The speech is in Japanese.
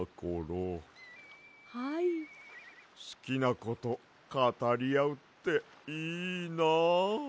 すきなことかたりあうっていいな。